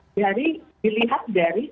jadi dilihat dari